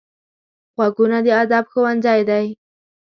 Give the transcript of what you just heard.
غوږونه د ادب ښوونځی دي